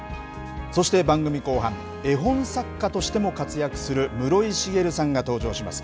そして番組後半、絵本作家としても活躍する室井滋さんが登場します。